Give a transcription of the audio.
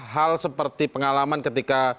hal seperti pengalaman ketika